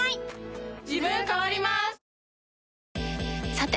さて！